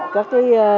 và các vùng miền